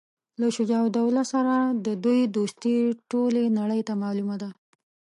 له شجاع الدوله سره د دوی دوستي ټولي نړۍ ته معلومه ده.